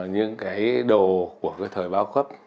những cái đồ của cái thời bao cấp